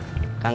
di tut an bles